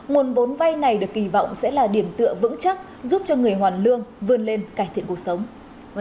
nguồn vốn vay này được kỳ vọng sẽ là điểm tựa vững chắc giúp cho người hoàn lương vươn lên cải thiện cuộc sống